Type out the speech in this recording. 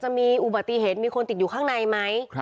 จะมีอุบัติเหตุมีคนติดอยู่ข้างในไหม